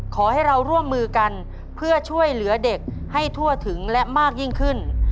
ขอให้เราร่วมมือกันเพื่อช่วยเหลือเด็กให้ทั่วถึงและมากยิ่งขึ้น